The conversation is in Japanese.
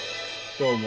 どうも。